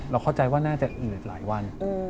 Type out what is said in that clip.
เราเข้าใจว่าน่าจะเหนื่อยหลายวัน